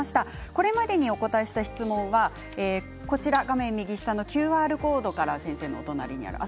これまでにお答えした質問は画面右下のＱＲコードから先生のお隣にあります。